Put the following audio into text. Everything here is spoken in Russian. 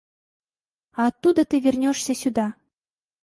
А оттуда ты вернешься сюда?